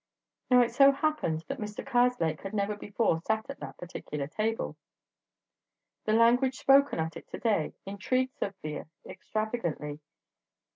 Now it so happened that Mr. Karslake had never before sat at that particular table. The language spoken at it to day intrigued Sofia extravagantly.